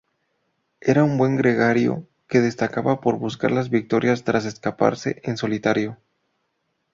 Era un buen gregario que destacaba por buscar las victorias tras escaparse en solitario.